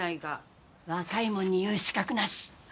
若い者に言う資格なし！